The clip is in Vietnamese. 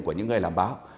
của những người làm báo